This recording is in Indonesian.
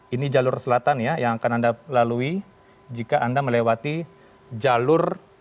ini jalur selatan ya yang akan anda lalui jika anda melewati jalur